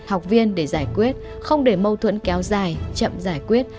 học viên để giải quyết không để mâu thuẫn kéo dài chậm giải quyết